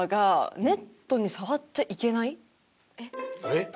えっ？